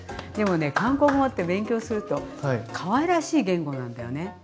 でもね韓国語って勉強するとかわいらしい言語なんだよね。